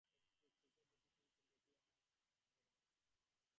একটু একটু করে যতই চিনছেন ততই তোমার আদর বাড়ছে।